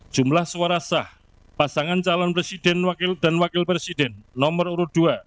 jumlah suara sah pasangan calon presiden dan wakil presiden nomor urut dua